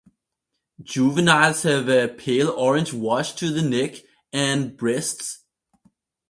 Juveniles have a pale orange wash to the neck and breast.